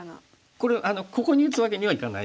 これここに打つわけにはいかないんですね。